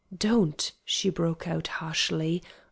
"Don't," she broke out, harshly.